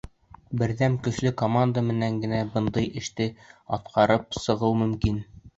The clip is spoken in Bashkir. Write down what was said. Берҙәм, көслө команда менән генә бындай эште атҡарып сығыу мөмкин.